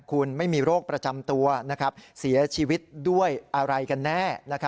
คุณไม่มีโรคประจำตัวเสียชีวิตด้วยอะไรกันแน่